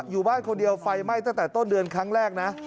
อยู่บ้านคนเดียวไฟไหม้ตั้งแต่ต้นเดือนครั้งแรกนะ